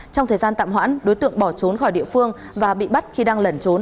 trong thời gian tạm hoãn đối tượng bỏ trốn khỏi địa phương và bị bắt khi đang lẩn trốn